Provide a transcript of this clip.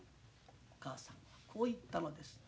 お母さんはこう言ったのです。